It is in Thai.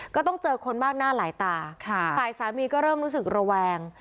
ก็ต้องเจอคนมากหน้าหลายตาฝ่ายสามีก็เริ่มรู้สึกระแวง